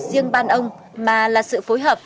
riêng ban ông mà là sự phối hợp